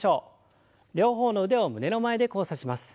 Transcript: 両方の腕を胸の前で交差します。